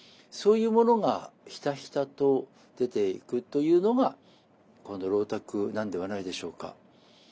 そういうものがひたひたと出ていくというのがこの浪宅なんではないでしょうか。